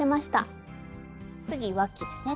次わきですね